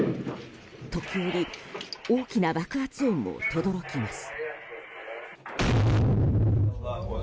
時折、大きな爆発音も轟きます。